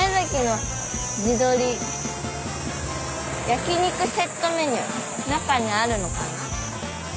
「焼肉セットメニュー」中にあるのかな？